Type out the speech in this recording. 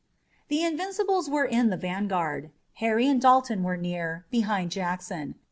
The Invincibles were in the vanguard. Harry and Dalton were near, behind Jackson.